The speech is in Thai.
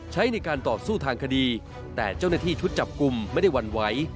ใช้ในการต่อสู้ทางคดีแต่เจ้าหน้าที่ชุดจับกลุ่มไม่ได้หวั่นไหว